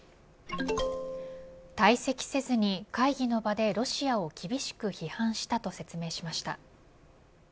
退席せずに会議の場でロシアを厳しく批判したと説明しました。